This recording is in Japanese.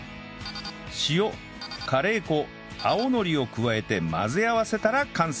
塩カレー粉青のりを加えて混ぜ合わせたら完成